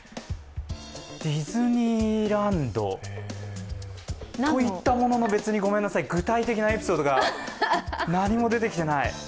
ディズニーランドといったものの、別に、具体的なエピソードが何も出てきてない。